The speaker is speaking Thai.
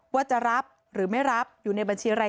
ว่าจะรับหรือไม่รับอยู่ในบัญชีอะไร